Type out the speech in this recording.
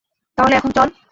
তাহলে এখন চল!